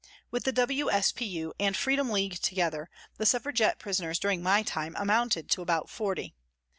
With the W.S.P.U. and Freedom League together the Suffragette prisoners during my time amounted to about forty.